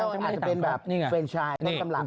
อาจจะเป็นแบบเฟรนชายต้องสำหรับ